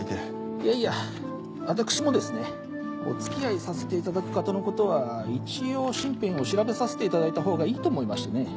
いやいや私もですねお付き合いさせていただく方のことは一応身辺を調べさせていただいたほうがいいと思いましてね。